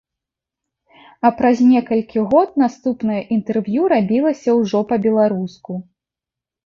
А праз некалькі год наступнае інтэрв'ю рабілася ўжо па-беларуску.